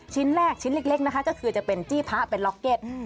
ชิ้นแรกชิ้นเล็กนะคะก็คือจะเป็นจี้พระเป็นล็อกเก็ต